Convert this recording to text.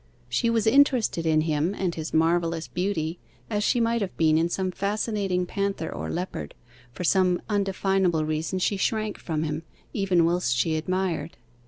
She was interested in him and his marvellous beauty, as she might have been in some fascinating panther or leopard for some undefinable reason she shrank from him, even whilst she admired.